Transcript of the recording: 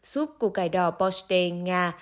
suốt củ cải đỏ bò chê nga